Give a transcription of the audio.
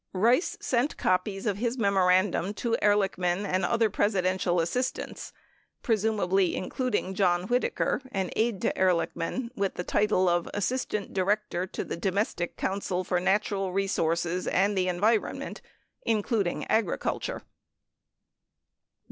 Rice sent copies of his memorandum to Ehrlichman and other Presidential assistants, presumably including John Whitaker, an aide to Ehrlich man with the title of Assistant Director to the Domestic Council for Natural Resources and the Environment (including agriculture).